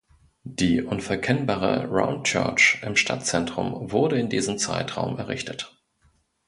Die unverkennbare "Round Church" im Stadtzentrum wurde in diesem Zeitraum errichtet.